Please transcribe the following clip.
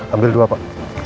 ambil dua pak